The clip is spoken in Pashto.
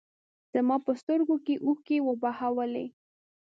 زما په سترګو کې اوښکې وبهولې.